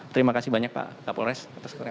terima kasih banyak pak kapolres atas